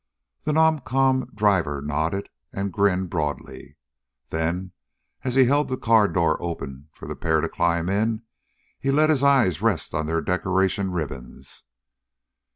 The non com driver nodded and grinned broadly. Then as he held the car door open for the pair to climb in, he let his eyes rest on their decoration ribbons.